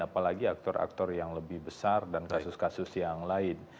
apalagi aktor aktor yang lebih besar dan kasus kasus yang lain